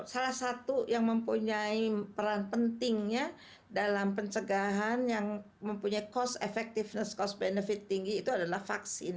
salah satu yang mempunyai peran pentingnya dalam pencegahan yang mempunyai cost effectiveness cost benefit tinggi itu adalah vaksin